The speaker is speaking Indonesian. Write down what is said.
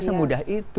nggak semudah itu